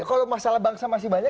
kalau masalah bangsa masih banyak